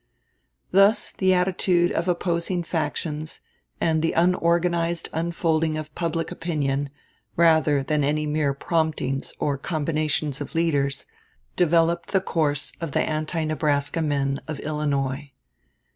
Thus the attitude of opposing factions and the unorganized unfolding of public opinion, rather than any mere promptings or combinations of leaders, developed the course of the anti Nebraska men of Illinois.